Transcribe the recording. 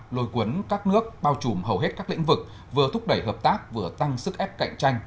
lôi cuốn các nước bao trùm hầu hết các lĩnh vực vừa thúc đẩy hợp tác vừa tăng sức ép cạnh tranh